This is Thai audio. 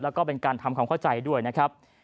แล้วก็เป็นการทำความเข้าใจด้วยนะครับ